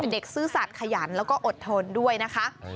เด็กซื่อสัดขยันแล้วก็อดทนด้วยนะคะ